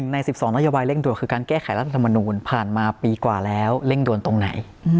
๑ใน๑๒ระยะวายเร่งโดนคือการแก้ไขรัฐมณูนผ่านมาปีกว่าแล้วเร่งโดนตรงไหน